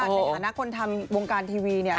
เห็นอาหารคนทำวงการทีวีเนี่ย